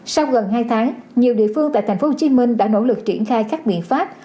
sau gần hai tháng nhiều địa phương tại thành phố hồ chí minh đã nỗ lực triển khai các biện pháp